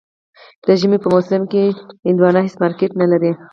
د ژمي په موسم کې خربوزه هېڅ مارکېټ نه لري.